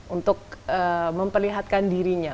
untuk memperlihatkan dirinya